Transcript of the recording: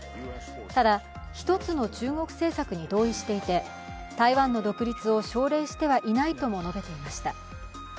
ただ、一つの中国政策に同意していて台湾の独立を奨励してはいないとも述べていました。